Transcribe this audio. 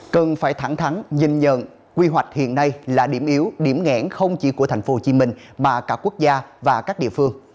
cần phải thẳng thắng nhìn nhận quy hoạch hiện nay là điểm yếu điểm ngẽn không chỉ của tp hcm mà cả quốc gia và các địa phương